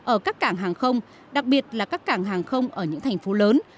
ở các cảng hàng không đặc biệt là các cảng hàng không ở những thành phố lớn